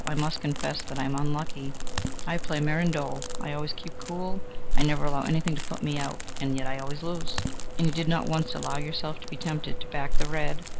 I must confess that I am unlucky: I play mirandole, I always keep cool, I never allow anything to put me out, and yet I always lose!" "And you did not once allow yourself to be tempted to back the red?...